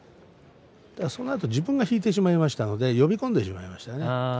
そのあと自分が引いてしまいましたので呼び込んでしまいましたね。